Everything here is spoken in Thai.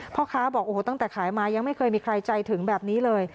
พ่อค้าบอกโอ้โหตั้งแต่ขายมายังไม่เคยมีใครใจถึงแบบนี้เลย